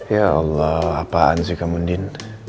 ya allah apaan sih kamu nin